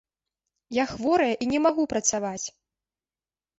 Я хворая і не магу працаваць!